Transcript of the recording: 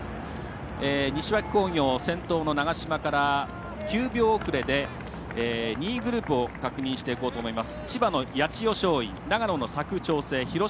西脇工業、先頭の長嶋から９秒遅れで２位グループを確認していこうと思います。